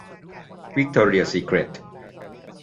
- วิคตอเรียซีเคร็ท